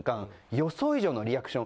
予想以上のリアクション。